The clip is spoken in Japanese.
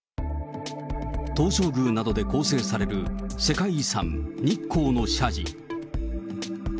東照宮などで構成される世界遺産、日光の社寺。